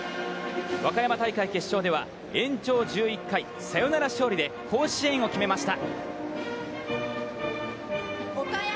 和歌山大会決勝では延長１１回サヨナラ勝利で甲子園を決めました。